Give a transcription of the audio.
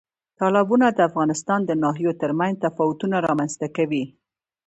تالابونه د افغانستان د ناحیو ترمنځ تفاوتونه رامنځ ته کوي.